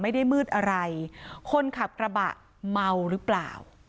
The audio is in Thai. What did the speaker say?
ไม่ได้มืดอะไรคนขับกระบะเมาหรือเปล่า